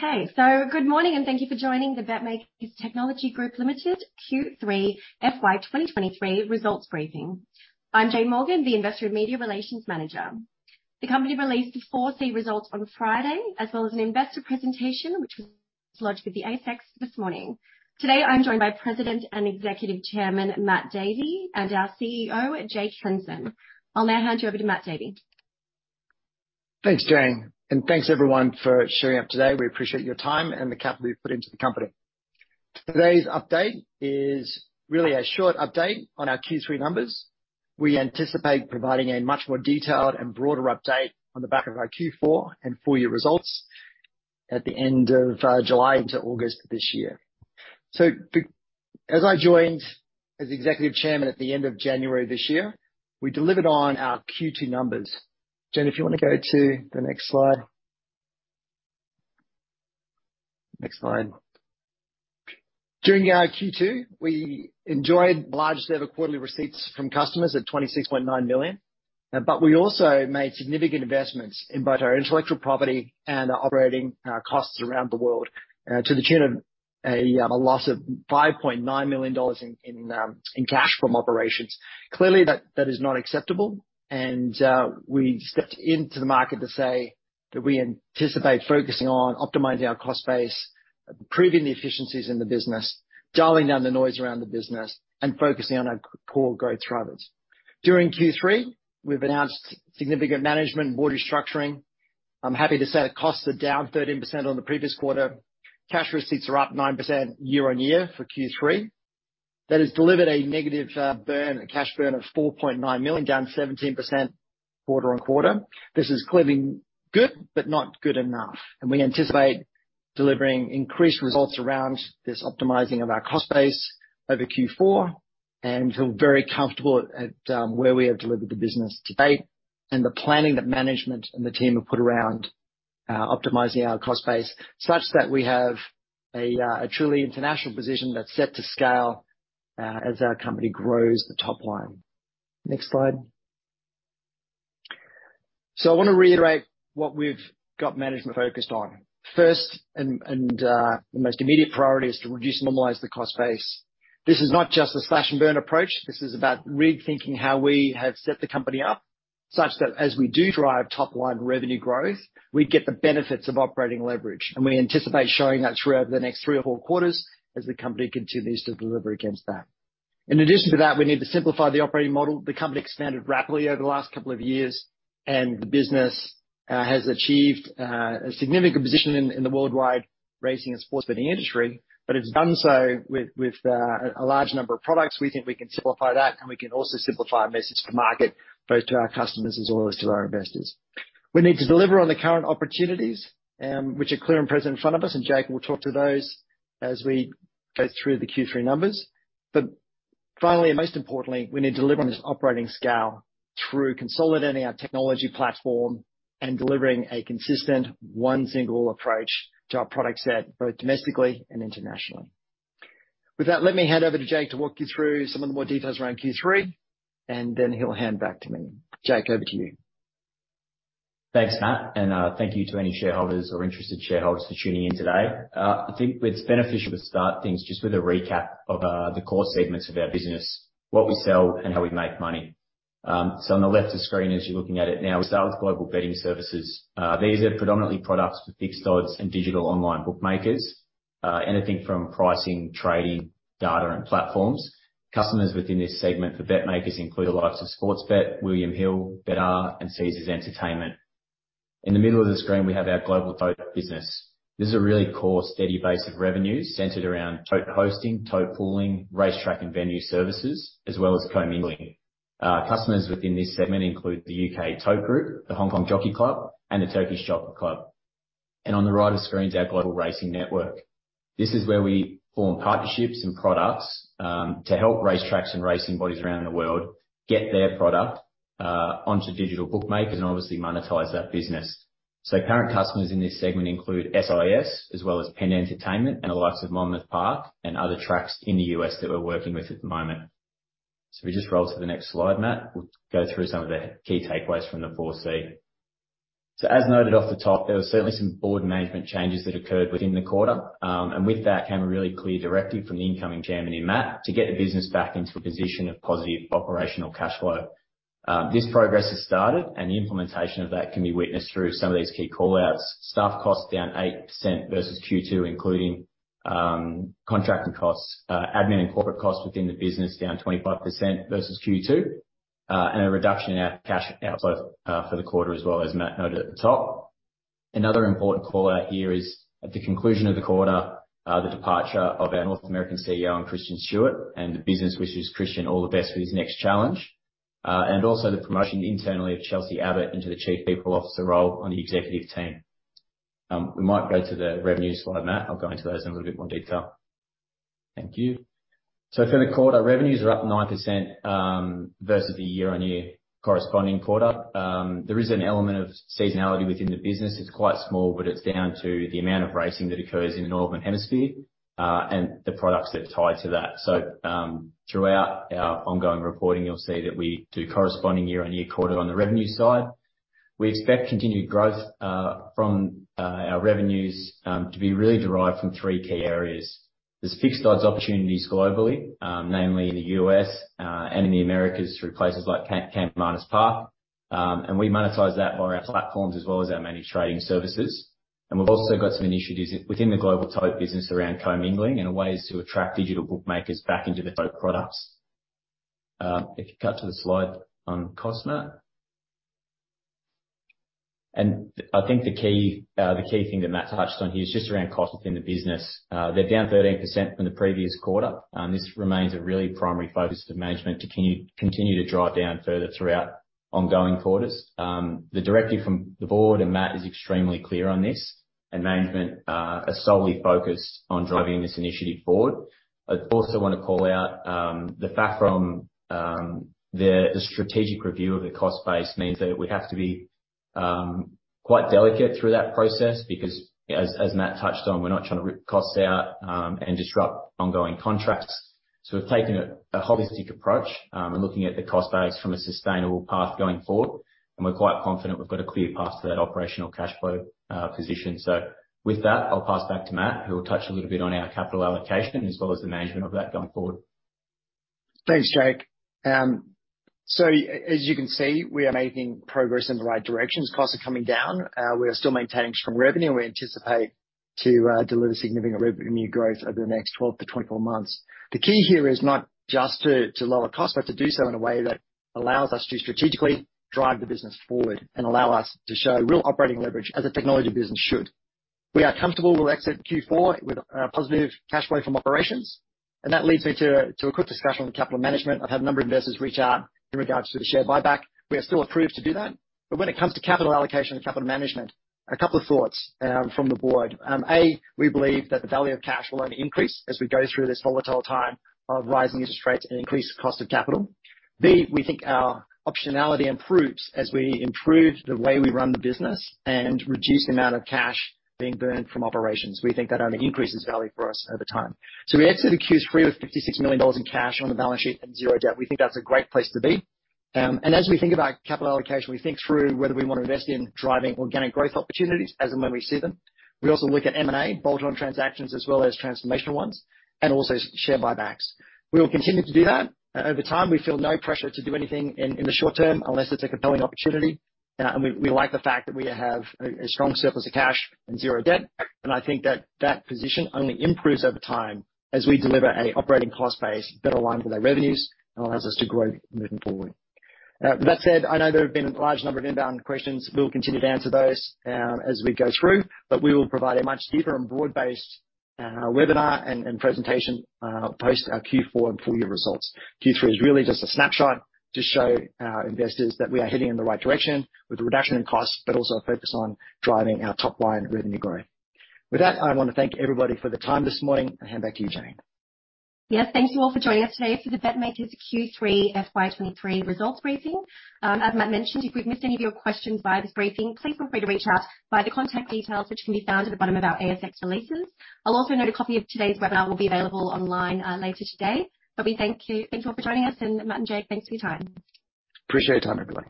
Good morning, and thank you for joining the BetMakers Technology Group Limited Q3 FY23 results briefing. I'm Jane Morgan, the investor and media relations manager. The company released the 4C results on Friday, as well as an investor presentation, which was lodged with the ASX this morning. Today, I'm joined by President and Executive Chairman, Matt Davey, and our CEO, Jake Henson. I'll now hand you over to Matt Davey. Thanks, Jane. Thanks everyone for showing up today. We appreciate your time and the capital you've put into the company. Today's update is really a short update on our Q3 numbers. We anticipate providing a much more detailed and broader update on the back of our Q4 and full year results at the end of July into August this year. As I joined as executive chairman at the end of January this year, we delivered on our Q2 numbers. Jane, if you wanna go to the next slide. Next slide. During our Q2, we enjoyed largest ever quarterly receipts from customers at 26.9 million. We also made significant investments in both our intellectual property and our operating costs around the world to the tune of a loss of 5.9 million dollars in cash from operations. Clearly, that is not acceptable. We stepped into the market to say that we anticipate focusing on optimizing our cost base, improving the efficiencies in the business, dialing down the noise around the business, and focusing on our core growth drivers. During Q3, we've announced significant management and board restructuring. I'm happy to say that costs are down 13% on the previous quarter. Cash receipts are up 9% year-on-year for Q3. That has delivered a negative burn, a cash burn of 4.9 million, down 17% quarter-on-quarter. This is clearly good, but not good enough. We anticipate delivering increased results around this optimizing of our cost base over Q4. Feel very comfortable at where we have delivered the business to date, and the planning that management and the team have put around optimizing our cost base, such that we have a truly international position that's set to scale as our company grows the top line. Next slide. I wanna reiterate what we've got management focused on. First and the most immediate priority is to reduce and normalize the cost base. This is not just a slash-and-burn approach. This is about rethinking how we have set the company up, such that as we do drive top-line revenue growth, we get the benefits of operating leverage. We anticipate showing that through over the next three or four quarters as the company continues to deliver against that. In addition to that, we need to simplify the operating model. The company expanded rapidly over the last couple of years, and the business has achieved a significant position in the worldwide racing and sports betting industry, but it's done so with a large number of products. We think we can simplify that, and we can also simplify our message to market, both to our customers as well as to our investors. We need to deliver on the current opportunities, which are clear and present in front of us, and Jake Henson will talk to those as we go through the Q3 numbers. Finally, and most importantly, we need to deliver on this operating scale through consolidating our technology platform and delivering a consistent one single approach to our product set, both domestically and internationally. With that, let me hand over to Jake to walk you through some of the more details around Q3, and then he'll hand back to me. Jake, over to you. Thanks, Matt. Thank you to any shareholders or interested shareholders for tuning in today. I think it's beneficial to start things just with a recap of the core segments of our business, what we sell, and how we make money. On the left of the screen, as you're looking at it now, we start with Global Betting Services. These are predominantly products for fixed odds and digital online bookmakers. Anything from pricing, trading, data, and platforms. Customers within this segment for BetMakers include the likes of Sportsbet, William Hill, betr, and Caesars Entertainment. In the middle of the screen, we have our Global Tote business. This is a really core, steady base of revenue centered around tote hosting, tote pooling, racetrack and venue services, as well as co-mingling. Customers within this segment include the UK Tote Group, The Hong Kong Jockey Club, and the Jockey Club of Turkey. On the right of the screen is our Global Racing Network. This is where we form partnerships and products to help racetracks and racing bodies around the world get their product onto digital bookmakers and obviously monetize that business. Current customers in this segment include SIS, as well as PENN Entertainment, and the likes of Monmouth Park, and other tracks in the U.S. that we're working with at the moment. If we just roll to the next slide, Matt, we'll go through some of the key takeaways from the 4C. As noted off the top, there was certainly some board and management changes that occurred within the quarter. With that came a really clear directive from the incoming chairman in Matt to get the business back into a position of positive operational cash flow. This progress has started, and the implementation of that can be witnessed through some of these key call-outs. Staff costs down 8% versus Q2, including contracting costs. Admin and corporate costs within the business down 25% versus Q2. A reduction in our cash outflow for the quarter as well, as Matt noted at the top. Another important call-out here is, at the conclusion of the quarter, the departure of our North American CEO in Christian Stuart, and the business wishes Christian all the best for his next challenge. Also the promotion internally of Chelsey Abbott into the Chief People Officer role on the executive team. We might go to the revenue slide, Matt. I'll go into those in a little bit more detail. Thank you. For the quarter, revenues are up 9% versus the year-on-year corresponding quarter. There is an element of seasonality within the business. It's quite small, but it's down to the amount of racing that occurs in the Northern Hemisphere and the products that are tied to that. Throughout our ongoing reporting, you'll see that we do corresponding year-on-year quarter on the revenue side. We expect continued growth from our revenues to be really derived from three key areas. There's fixed odds opportunities globally, namely in the U.S. and in the Americas through places like Caymanas Park. And we monetize that via our platforms as well as our Managed Trading Services. We've also got some initiatives within the Global Tote business around co-mingling and ways to attract digital bookmakers back into the tote products. If you cut to the slide on cost, Matt. I think the key, the key thing that Matt touched on here is just around cost within the business. They're down 13% from the previous quarter. This remains a really primary focus of management to continue to drive down further throughout ongoing quarters. The directive from the board and Matt is extremely clear on this, and management are solely focused on driving this initiative forward. I'd also wanna call out the fact from the strategic review of the cost base means that we have to be quite delicate through that process because as Matt touched on, we're not trying to rip costs out and disrupt ongoing contracts. We've taken a holistic approach in looking at the cost base from a sustainable path going forward, and we're quite confident we've got a clear path to that operational cash flow position. With that, I'll pass back to Matt, who will touch a little bit on our capital allocation as well as the management of that going forward. Thanks, Jake. As you can see, we are making progress in the right directions. Costs are coming down. We are still maintaining strong revenue, and we anticipate to deliver significant revenue growth over the next 12 to 24 months. The key here is not just to lower costs, but to do so in a way that allows us to strategically drive the business forward and allow us to show real operating leverage as a technology business should. We are comfortable we'll exit Q4 with positive cash flow from operations, and that leads me to a quick discussion on capital management. I've had a number of investors reach out in regards to the share buyback. We are still approved to do that. When it comes to capital allocation and capital management, a couple of thoughts from the board. A, we believe that the value of cash will only increase as we go through this volatile time of rising interest rates and increased cost of capital. B, we think our optionality improves as we improve the way we run the business and reduce the amount of cash being burned from operations. We think that only increases value for us over time. We entered the Q3 with 56 million dollars in cash on the balance sheet and zero debt. We think that's a great place to be. As we think about capital allocation, we think through whether we wanna invest in driving organic growth opportunities as and when we see them. We also look at M&A, bolt-on transactions as well as transformational ones, and also share buybacks. We will continue to do that. Over time, we feel no pressure to do anything in the short term unless it's a compelling opportunity. We like the fact that we have a strong surplus of cash and 0 debt. I think that that position only improves over time as we deliver a operating cost base that aligns with our revenues and allows us to grow moving forward. With that said, I know there have been a large number of inbound questions. We'll continue to answer those as we go through, we will provide a much deeper and broad-based webinar and presentation post our Q4 and full year results. Q3 is really just a snapshot to show our investors that we are heading in the right direction with a reduction in costs, also a focus on driving our top line revenue growth. With that, I wanna thank everybody for their time this morning and hand back to you, Jane. Yes, thank you all for joining us today for the BetMakers' Q3 FY23 results briefing. as Matt mentioned, if we've missed any of your questions via this briefing, please feel free to reach out via the contact details, which can be found at the bottom of our ASX releases. I'll also note a copy of today's webinar will be available online, later today. We thank you. Thanks you all for joining us, and Matt and Jake, thanks for your time. Appreciate your time, everybody.